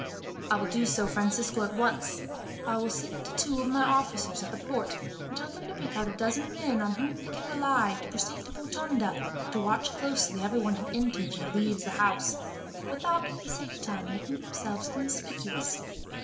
"I will do so, Francisco, at once. I will send to two of my officers at the port, and tell them to pick out a dozen men on whom they can rely, to proceed to Botonda, and to watch closely everyone who enters or leaves the house, without at the same time making themselves conspicuous.